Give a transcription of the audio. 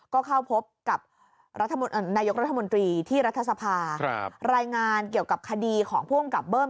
ก็เข้าพบกับนายกรัฐมนตรีที่รัฐสภารายงานเกี่ยวกับคดีของผู้กำกับเบิ้ม